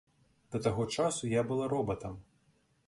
Да таго часу я была робатам.